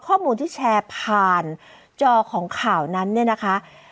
ข้อมูลที่แชร์ผ่านจอของข่าวนั้นเนี่ยนะคะ